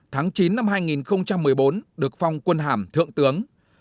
tháng chín năm hai nghìn một mươi bốn được phong quân hàm thượng tướng